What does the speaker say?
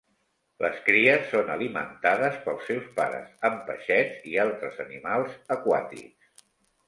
Les cries són alimentades pels seus pares amb peixets i altres animals aquàtics.